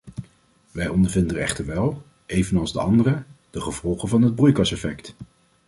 Wij ondervinden echter wel, evenals de anderen, de gevolgen van het broeikaseffect.